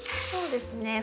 そうですね